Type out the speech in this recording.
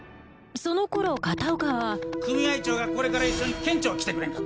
その頃片岡は組合長がこれから一緒に県庁来てくれんかって。